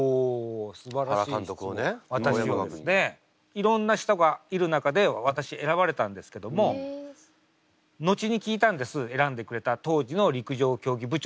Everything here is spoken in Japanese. いろんな人がいる中で私選ばれたんですけども後に聞いたんです選んでくれた当時の陸上競技部長先生に聞いたんです。